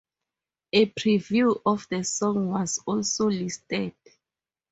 A preview of the song was also listed.